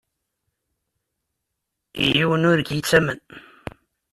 Yiwen ur k-yettamen.